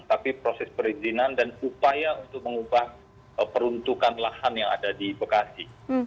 tapi proses perizinan dan upaya untuk mengubah peruntukan lahan yang ada di bekasi